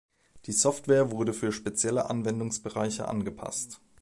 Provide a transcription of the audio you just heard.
Die Software wurde für spezielle Anwendungsbereiche angepasst.